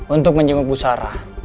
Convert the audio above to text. untuk menjemput bu sarah